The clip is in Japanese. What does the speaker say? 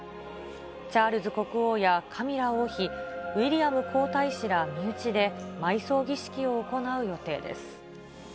チャールズ国王やカミラ王妃、ウィリアム皇太子ら身内で、埋葬儀式を行う予定です。